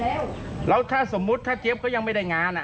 แล้วถ้าเจ้าบ้านที่อื่นแล้วถ้าสมมุติถ้าเจ๊บก็ยังไม่ได้งานอ่ะอ่ะ